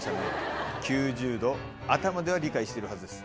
９０度頭では理解してるはずです